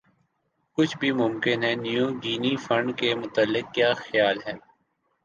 کچھ بھِی ممکن ہے نیو گِنی فنڈ کے متعلق کِیا خیال ہے